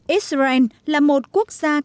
israel là một quốc gia có vấn đề